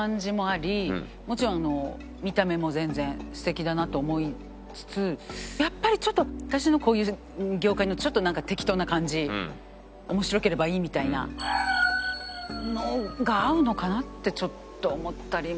もちろん見た目も全然素敵だなと思いつつやっぱりちょっと私のこういう業界のちょっと適当な感じ面白ければいいみたいな。のが合うのかな？ってちょっと思ったりも。